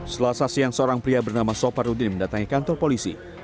setelah sasiang seorang pria bernama soparudin mendatangi kantor polisi